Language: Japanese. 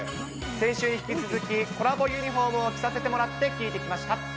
先週に引き続き、コラボユニホームを着させてもらって聞いてきました。